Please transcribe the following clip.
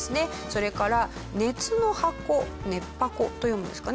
それから熱の箱「ねっぱこ」と読むんですかね